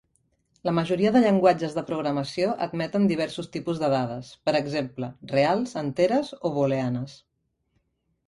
La majoria de llenguatges de programació admeten diversos tipus de dades, per exemple: reals, enteres o booleanes.